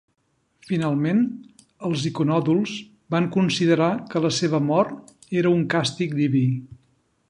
Finalment, els iconòduls van considerar que la seva mort era un càstig diví.